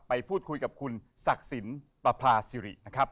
ไปพูดคุยกับคุณศักดิ์สินประพาสิรินะครับ